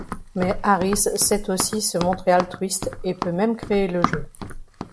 Mais Harris sait aussi se montrer altruiste et peut même créer le jeu.